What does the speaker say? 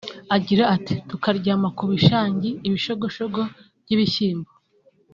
Agira ati “Tukaryama ku bishangi(ibishogoshogo by’ibishyimbo)